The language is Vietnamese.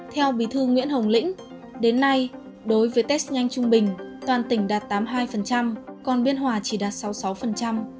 theo bí thư nguyễn hồng lĩnh đến nay đối với test nhanh trung bình toàn tỉnh đạt tám mươi hai còn biên hòa chỉ đạt sáu mươi sáu